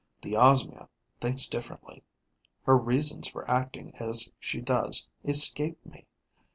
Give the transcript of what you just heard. The Osmia thinks differently. Her reasons for acting as she does escape me.